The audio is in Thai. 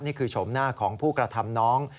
ชมหน้าของผู้กระทำน้อง